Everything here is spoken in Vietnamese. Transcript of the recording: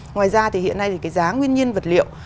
ngoài ra thì hiện nay thì cái giá nguyên nhiên vật liệu